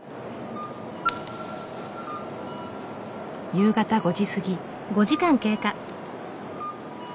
夕方５時過ぎ。